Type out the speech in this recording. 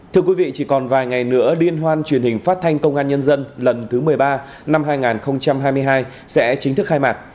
thưa quý vị chỉ còn vài ngày nữa liên hoan truyền hình phát thanh công an nhân dân lần thứ một mươi ba năm hai nghìn hai mươi hai sẽ chính thức khai mạc